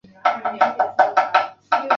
降低商业银行的存贷款利率。